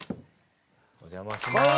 お邪魔します。